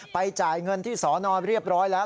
จ่ายเงินที่สอนอเรียบร้อยแล้ว